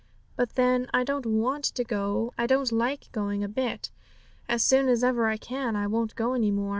But then I don't want to go; I don't like going a bit. As soon as ever I can, I won't go any more.